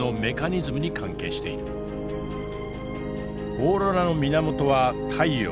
オーロラの源は太陽。